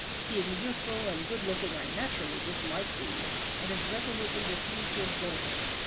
Being youthful and good looking, I naturally dislike these, and have resolutely refused to employ them.